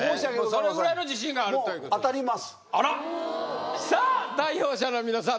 それぐらいの自信があるというあらさあ代表者の皆さん